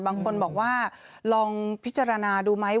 บางคนบอกว่าลองพิจารณาดูไหม